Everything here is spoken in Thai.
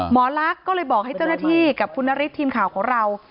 หมอลักษณ์ก็เลยบอกให้เจ้าหน้าที่กับคุณนฤทธิ์ทีมข่าวของเรา